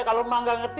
kalau mak gak ngerti